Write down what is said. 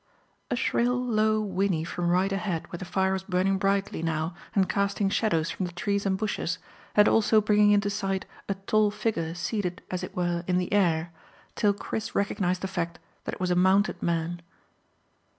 A shrill low whinny from right ahead where the fire was burning brightly now and casting shadows from the trees and bushes, and also bringing into sight a tall figure seated as it were in the air, till Chris recognised the fact that it was a mounted man.